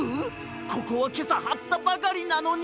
ここはけさはったばかりなのに！